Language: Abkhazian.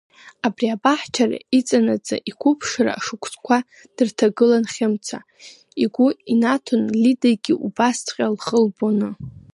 Абри абаҳчара иҵанаҵы иқәыԥшра шықәсқәа дырҭагылан Хьымца, игәы инаҭон Лидагьы убасҵәҟьа лхы лбоны.